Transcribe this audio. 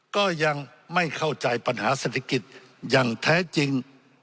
ก็ยังไม่เข้าใจปัญหาเศรษฐกิจอย่างแท้จริง